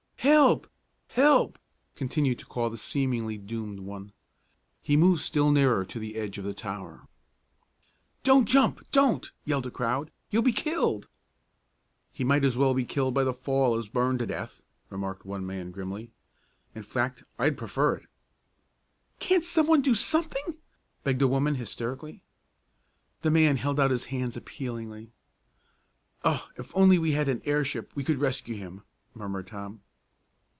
"Help! Help!" continued to call the seemingly doomed one. He moved still nearer to the edge of the tower. "Don't jump! Don't!" yelled the crowd. "You'll be killed!" "He might just as well be killed by the fall as burned to death," remarked one man grimly. "In fact I'd prefer it." "Can't someone do something?" begged a woman hysterically. The man held out his hands appealingly. "Oh, if we only had an airship, we could rescue him!" murmured Tom.